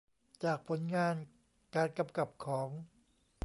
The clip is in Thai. จากผลงานการกำกับของ